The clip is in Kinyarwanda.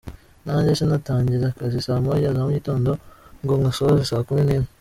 Nkanjye sinatangira akazi saa moya za mugitondo ngo nkasoze saa kumi n’imwe.